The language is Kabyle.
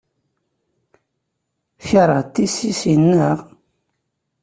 Tkeṛheḍ tissisin, naɣ?